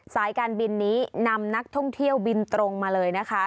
สายการบินนี้นำนักท่องเที่ยวบินตรงมาเลยนะคะ